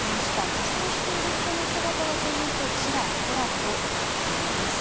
仮装している人の姿はというとちらほらと見えます。